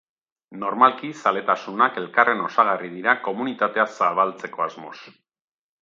Normalki, zaletasunak elkarren osagarri dira komunitatea zabaltzeko asmoz.